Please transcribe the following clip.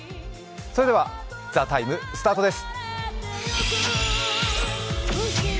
それでは「ＴＨＥＴＩＭＥ，」スタートです。